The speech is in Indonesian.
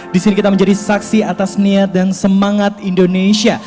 di sini kita menjadi saksi atas niat dan semangat indonesia